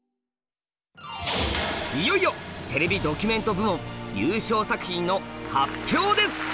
いよいよテレビドキュメント部門優勝作品の発表です。